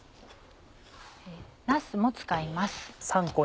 なすも使います。